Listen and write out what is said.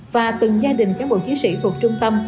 và từng gia đình các bộ chí sĩ thuộc trung tâm